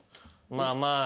まあまあ。